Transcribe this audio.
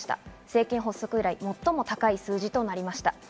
政権発足以来、最も高い数字となりました。